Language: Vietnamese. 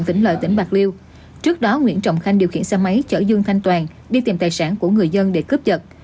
tỉnh trọng khanh điều khiển xe máy chở dương thanh toàn đi tìm tài sản của người dân để cướp vật